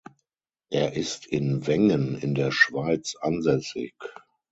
Er ist in Wengen in der Schweiz ansässig.